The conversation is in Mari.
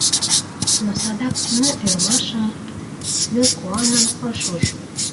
Но садак ны ӧрмашым, ны куаным ыш уж.